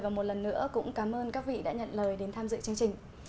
và một lần nữa cũng cảm ơn các vị đã nhận lời đến tham dự chương trình